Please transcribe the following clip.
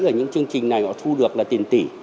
ở những chương trình này họ thu được là tiền tỷ